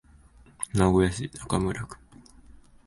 名古屋市中村区